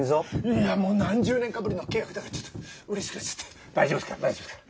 いやもう何十年かぶりの契約だからちょっとうれしくなっちゃって大丈夫ですから大丈夫ですから。